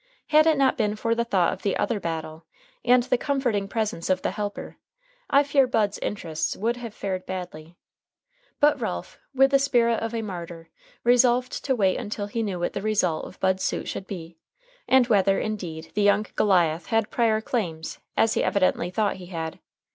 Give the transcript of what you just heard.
Had it not been for the thought of the other battle, and the comforting presence of the Helper, I fear Bud's interests would have fared badly. But Ralph, with the spirit of a martyr, resolved to wait until he knew what the result of Bud's suit should be, and whether, indeed, the young Goliath had prior claims, as he evidently thought he had.